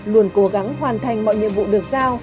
luôn cố gắng hoàn thành mọi nhiệm vụ được giao